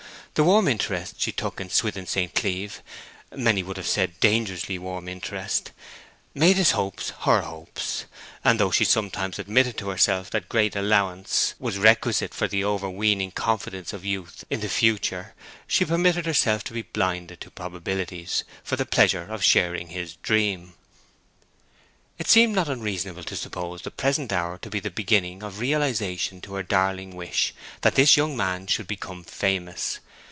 The warm interest she took in Swithin St. Cleeve many would have said dangerously warm interest made his hopes her hopes; and though she sometimes admitted to herself that great allowance was requisite for the overweening confidence of youth in the future, she permitted herself to be blinded to probabilities for the pleasure of sharing his dreams. It seemed not unreasonable to suppose the present hour to be the beginning of realization to her darling wish that this young man should become famous.